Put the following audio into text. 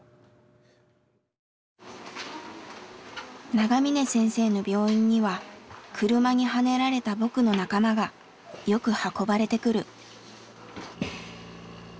長嶺先生の病院には車にはねられた僕の仲間がよく運ばれてくる。